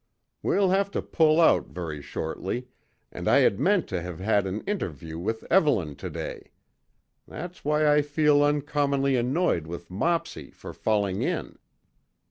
We'll have to pull out very shortly, and I had meant to have had an interview with Evelyn to day. That's why I feel uncommonly annoyed with Mopsy for falling in."